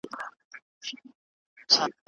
انټرنیټ د کلتورونو ترمنځ همغږي پیدا کوي.